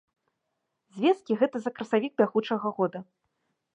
Звесткі гэта за красавік бягучага года.